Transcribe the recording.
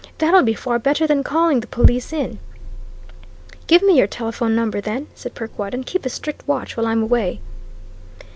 That'll be far better than calling the police in." "Give me your telephone number, then," said Perkwite, "and keep a strict watch while I'm away."